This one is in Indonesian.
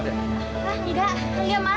tidak tidak maaf